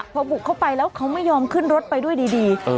พอบุกเข้าไปแล้วเขาไม่ยอมขึ้นรถไปด้วยดี